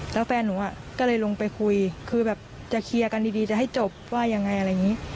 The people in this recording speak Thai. แล้วแฟนหนูก็เลยลงไปคุยคือแบบจะเคลียร์กันดีจะให้จบว่ายังไงอะไรอย่างนี้